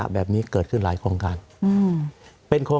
สวัสดีครับทุกคน